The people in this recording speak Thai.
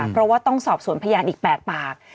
เพราะว่าต้องสอบสวนพยานอีก๘ปาก